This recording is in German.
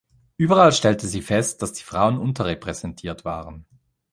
Überall stellte sie fest, dass die Frauen unterrepräsentiert waren.